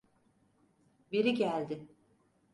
Biri geldi.